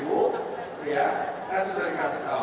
ibu ibu ya kan sudah dikasih tahu